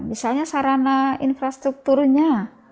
misalnya sarana infrastrukturnya